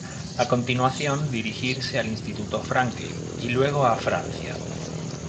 A continuación, dirigirse al Instituto Franklin, y luego a Francia.